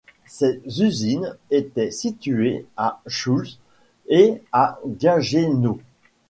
Ses usines étaient situées à Sühl et à Gaggenau.